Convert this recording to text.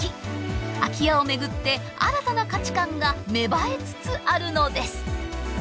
空き家を巡って新たな価値観が芽生えつつあるのです。